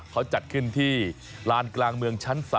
เขาจัดขึ้นที่ลานกลางเมืองชั้น๓